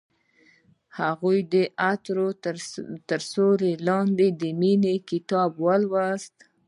هغې د عطر تر سیوري لاندې د مینې کتاب ولوست.